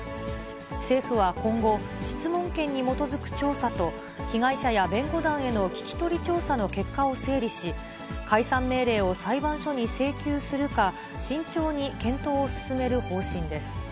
政府は今後、質問権に基づく調査と、被害者や弁護団への聞き取り調査の結果を整理し、解散命令を裁判所に請求するか慎重に検討を進める方針です。